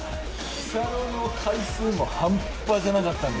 日サロの回数も半端じゃなかったんで。